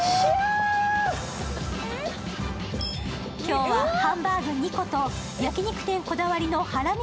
今日はハンバーグ２個と焼肉店こだわりのハラミ